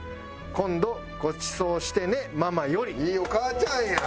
「今度ご馳走してねママより」いいお母ちゃんや！